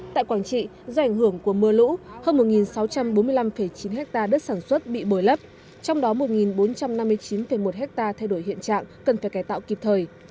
tại quảng trị do ảnh hưởng của mưa lũ hơn một sáu trăm bốn mươi năm chín ha đất sản xuất bị bồi lấp trong đó một bốn trăm năm mươi chín một ha thay đổi hiện trạng cần phải cài tạo kịp thời